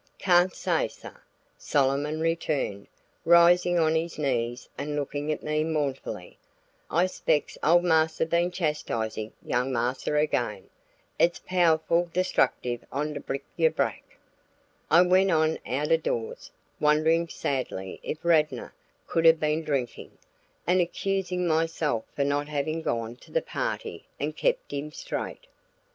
"Cayn't say, sah," Solomon returned, rising on his knees and looking at me mournfully. "I specs ole Marsa been chastisin' young Marsa again. It's powe'ful destructive on de brick yuh brack." I went on out of doors, wondering sadly if Radnor could have been drinking, and accusing myself for not having gone to the party and kept him straight.